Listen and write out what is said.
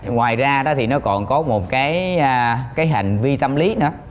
ngoài ra đó thì nó còn có một cái hành vi tâm lý nữa